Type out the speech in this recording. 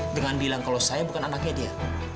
dengan bilang kalau saya bukan anaknya dia